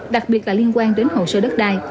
đặc biệt là liên quan đến hồ sơ đất đai